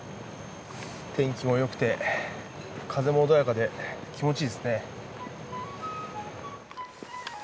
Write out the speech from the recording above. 天気もよくて風も穏やかで気持ちいいですね。